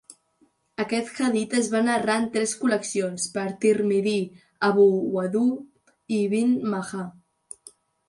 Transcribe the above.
Aquest hadit es va narrar en tres col·leccions per Tirmidhi, Abu Dawood, i Ibn Majah.